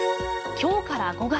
今日から５月。